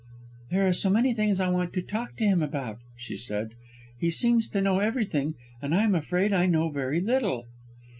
"There are so many things I want to talk to him about," she said. "He seems to know everything, and I am afraid I know very little."